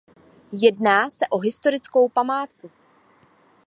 Jedná se o historickou památku.